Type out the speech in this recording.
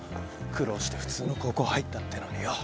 苦労して普通の高校入ったってのによ。